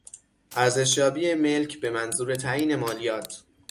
ارزشیابی ملک به منظور تعیین مالیات